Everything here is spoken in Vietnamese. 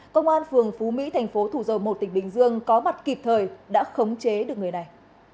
công an phường phú mỹ thành phố thủ dầu một tỉnh bình dương có mặt kịp thời đã khống chế được người này